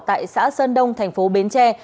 tại xã sơn đông thành phố bến tre